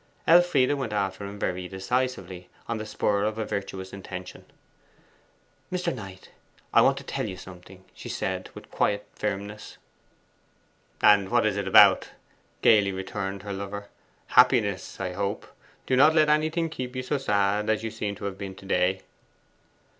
Elfride went after him very decisively, on the spur of a virtuous intention. 'Mr. Knight, I want to tell you something,' she said, with quiet firmness. 'And what is it about?' gaily returned her lover. 'Happiness, I hope. Do not let anything keep you so sad as you seem to have been to day.